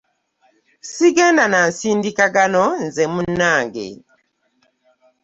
Ssigenda na nsindikagano nze munnange.